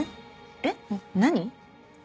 えっ？何？